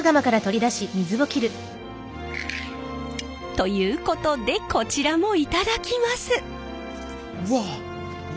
ということでこちらも頂きます！